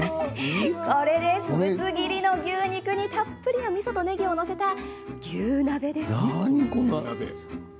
ぶつ切りの牛肉にたっぷりのみそとねぎを載せた牛鍋です。